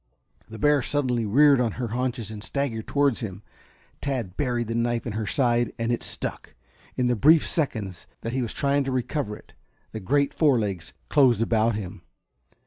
The bear suddenly reared on her haunches and staggered towards him. Tad buried the knife in her side, and it stuck. In the brief seconds that he was trying to recover it the great fore legs closed about him.